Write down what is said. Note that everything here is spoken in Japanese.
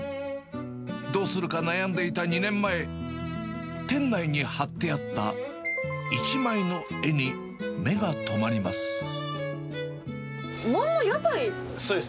どうするか悩んでいた２年前、店内に貼ってあった１枚の絵に目がとまります。